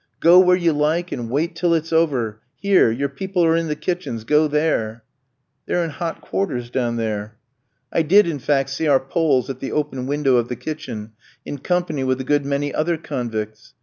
Go where you like and wait till it's over ... here, your people are in the kitchens, go there." "They're in hot quarters down there." I did in fact see our Poles at the open window of the kitchen, in company with a good many other convicts.